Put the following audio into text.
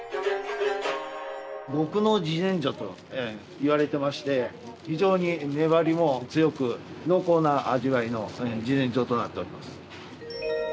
極濃自然薯といわれてまして非常に粘りも強く濃厚な味わいの自然薯となっております。